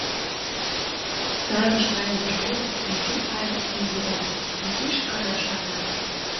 Сарыш кайымыж годым Мичу але изи ыле, изиш гына шарна.